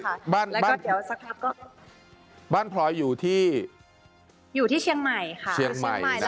วันนี้มีทำอะไรบ้างแล้วก็เดี๋ยวสักครั้งก็บ้านพลอยอยู่ที่อยู่ที่เชียงใหม่ค่ะ